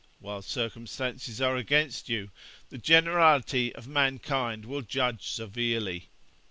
while circumstances are against you, the generality of mankind will judge severely.